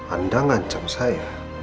anda mengancam saya